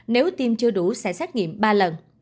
nếu tiêm chưa đủ sẽ xét nghiệm ba lần